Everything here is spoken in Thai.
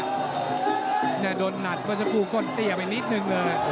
หน่อยโดนหนัดก็โกรธเตียงไปนิดนึงเลย